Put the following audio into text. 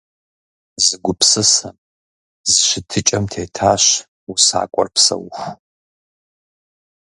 Зы гупсысэм, зы щытыкӀэм тетащ усакӀуэр псэуху.